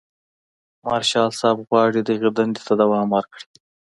مارشال صاحب غواړي دغې دندې ته دوام ورکړي.